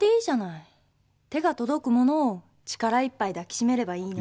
手が届くものを力いっぱい抱き締めればいいのよ。